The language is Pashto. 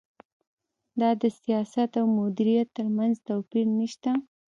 دا د سیاست او مدیریت ترمنځ توپیر نشته.